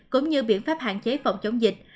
cũng như biện pháp hạn chế phòng chống dịch